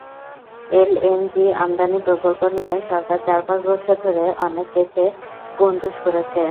LNG আমদানি প্রকল্প নিয়ে সরকার চার-পাঁচ বছর ধরে অনেক কেঁচে গণ্ডুষ করেছে।